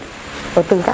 từ các bệnh nhân